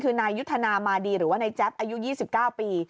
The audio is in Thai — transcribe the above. คือนายยุทธนามาดีหรือว่านายแจ๊บอายุ๒๙ปี